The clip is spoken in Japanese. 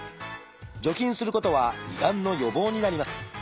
除菌することは胃がんの予防になります。